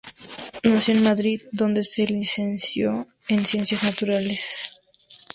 Nació en Madrid, donde se licenció en Ciencias Naturales.